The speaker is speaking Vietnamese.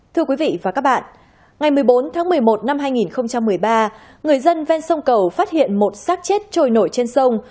thưa quý vị và các bạn ngày một mươi bốn tháng một mươi một năm hai nghìn một mươi ba người dân ven sông cầu phát hiện một sát chết trồi nổi trên sông